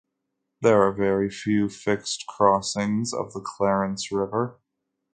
There are very few fixed crossings of the Clarence River.